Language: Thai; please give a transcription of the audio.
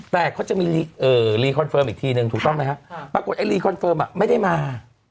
แต่เค้ามีลีคอนเฟิร์มอีกทีนึงถูกต้องมั้ยครับปรากฏลีคอนเฟิร์มอะไม่ได้มา